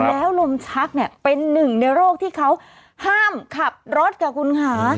แล้วลมชักเนี่ยเป็นหนึ่งในโรคที่เขาห้ามขับรถค่ะคุณค่ะ